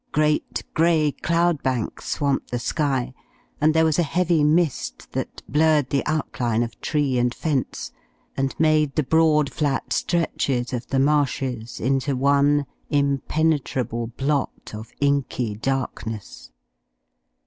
Great gray cloud banks swamped the sky, and there was a heavy mist that blurred the outline of tree and fence and made the broad, flat stretches of the marshes into one impenetrable blot of inky darkness.